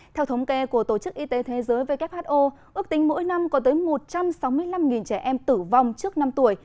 theo thống kê của tổ chức y tế thế giới who ước tính mỗi năm có tới một trăm sáu mươi năm trẻ em tử vong trước năm tuổi